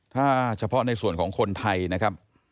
ถ้าเฉพาะในส่วนของคนไทยนะครับ